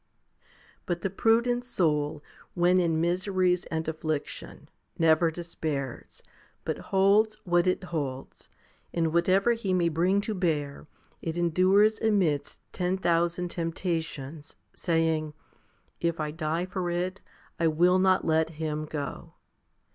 8. But the prudent soul, when in miseries and affliction, never despairs, but holds what it holds, and whatever he may bring to bear, it endures amidst ten thousand tempta tions, saying, " If I die for it, I will not let Him go."